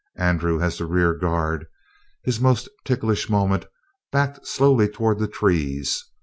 Andrew, as the rear guard his most ticklish moment backed slowly toward the trees.